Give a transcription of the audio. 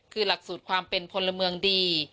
คือหลักสูตรความเป็นพลเมืองดี